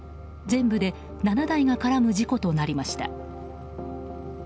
全部で７台が絡む事故となりました。